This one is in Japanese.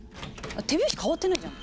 手拍子変わってないじゃん。